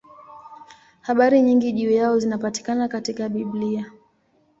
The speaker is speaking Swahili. Habari nyingi juu yao zinapatikana katika Biblia.